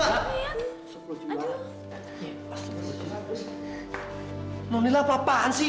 masuk mbak lila apa apaan sih